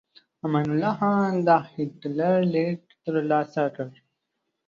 امان الله خان د هیټلر لیک ترلاسه کړ.